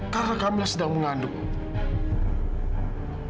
karena kami sedang mengandungmu